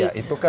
ya itu kan